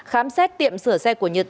khám xét tiệm sửa xe của nhật